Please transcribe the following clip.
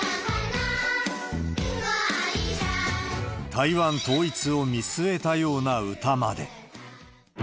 台湾統一を見据えたような歌まで。